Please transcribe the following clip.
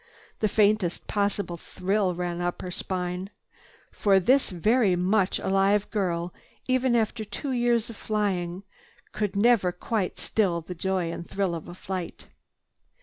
The faintest possible thrill ran up her spine. For this very much alive girl, even after two years of flying, could never quite still the joy and thrill of flight.